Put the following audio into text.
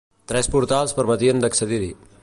Tres portals permetien d'accedir-hi.